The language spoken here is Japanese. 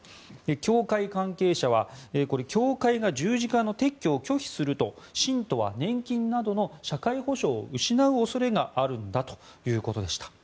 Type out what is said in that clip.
教会関係者は教会が十字架の撤去を拒否すると信徒は年金などの社会保障を失う恐れがあるんだということでした。